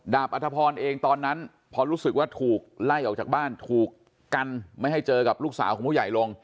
อัธพรเองตอนนั้นพอรู้สึกว่าถูกไล่ออกจากบ้านถูกกันไม่ให้เจอกับลูกสาวของผู้ใหญ่ลง